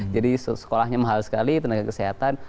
jadi sekolahnya mahal sekali tenaga kesehatan